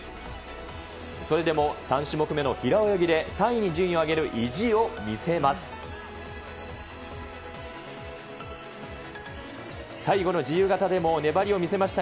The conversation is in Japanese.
それでも３種目目の平泳ぎで３位に順位を上げる意地を見せます。